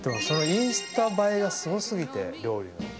インスタ映えがすごすぎて料理の。